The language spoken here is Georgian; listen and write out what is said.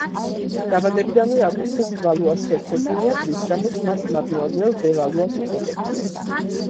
დაბადებიდანვე აკურთხეს ვალუას ჰერცოგინიად, რის გამოც მას მადმუაზელ დე ვალუას უწოდებდნენ.